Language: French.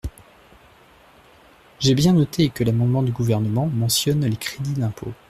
J’ai bien noté que l’amendement du Gouvernement mentionne les crédits d’impôt.